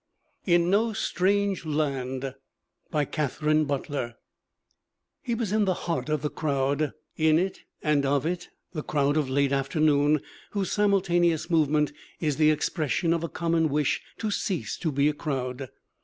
IN NO STRANGE LAND BY KATHARINE BUTLER He was in the heart of the crowd, in it, and of it the crowd of late afternoon whose simultaneous movement is the expression of a common wish to cease to be a crowd.